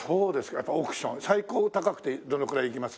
やっぱ億ション最高高くてどのくらいいきます？